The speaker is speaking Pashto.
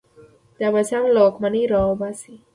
د عباسیانو له واکمني راوباسي